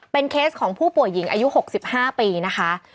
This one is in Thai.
เป็นเคสของผู้ป่วยหญิงอายุหกสิบห้าปีนะคะ